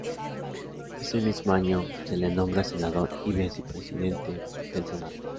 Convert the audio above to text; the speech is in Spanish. Ese mismo año se le nombra senador y vicepresidente del Senado.